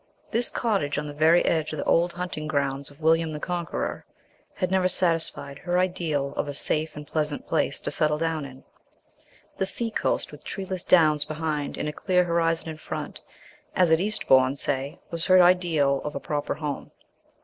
This cottage on the very edge of the old hunting grounds of William the Conqueror had never satisfied her ideal of a safe and pleasant place to settle down in. The sea coast, with treeless downs behind and a clear horizon in front, as at Eastbourne, say, was her ideal of a proper home.